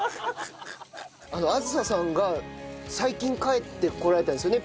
梓さんが最近帰ってこられたんですよね？